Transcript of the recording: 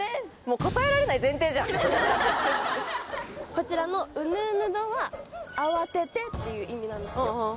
こちらの「うぬうぬど」は慌ててっていう意味なんですよ。